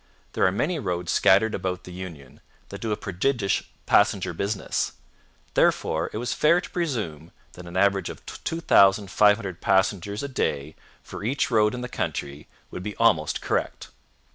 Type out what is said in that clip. There are many roads scattered about the Union that do a prodigious passenger business. Therefore it was fair to presume that an average of 2,500 passengers a day for each road in the country would be almost correct.